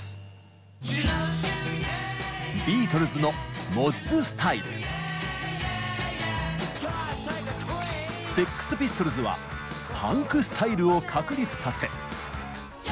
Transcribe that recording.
ビートルズのセックス・ピストルズはパンクスタイルを確立させ。